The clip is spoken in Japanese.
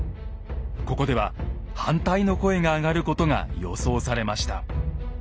ここでは反対の声があがることが予想されました。